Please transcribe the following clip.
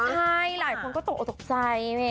ใช่หลายคนก็ตกออกตกใจ